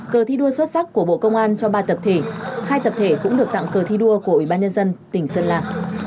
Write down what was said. cờ thi đua xuất sắc của bộ công an cho ba tập thể hai tập thể cũng được tặng cờ thi đua của ủy ban nhân dân tỉnh sơn la